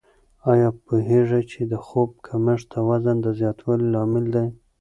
آیا پوهېږئ چې د خوب کمښت د وزن د زیاتوالي یو لامل دی؟